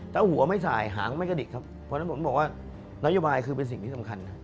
ถ้าหัวไม่สายหางก็ไม่กระดิกครับเพราะฉะนั้นผมบอกว่านโยบายคือเป็นสิ่งที่สำคัญนะ